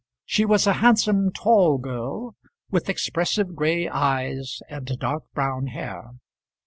She was a handsome, tall girl, with expressive gray eyes and dark brown hair.